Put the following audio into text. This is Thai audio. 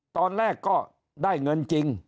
ตอนแรกก็ได้เงินจริง